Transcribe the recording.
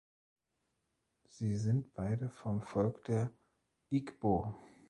Sie sind beide vom Volk der Igbo.